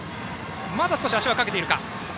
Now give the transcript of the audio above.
まだ少し足はかけているか。